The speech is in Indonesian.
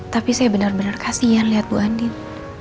tapi saya benar benar kasihan lihat bu andin